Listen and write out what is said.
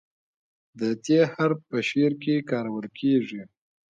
د "ت" حرف په شعر کې کارول کیږي.